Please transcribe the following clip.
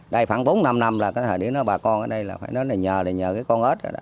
đây khoảng bốn năm năm là cái thời điểm đó bà con ở đây là phải nói này nhờ này nhờ